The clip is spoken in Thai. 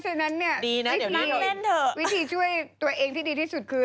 ใช่เพราะฉะนั้นวิธีช่วยตัวเองที่ดีที่สุดคือ